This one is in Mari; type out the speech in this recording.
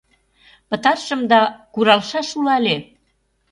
— Пытарышым да, куралшаш уло але.